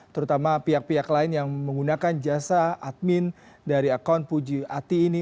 terutama pihak pihak lain yang menggunakan jasa admin dari akun puji ati ini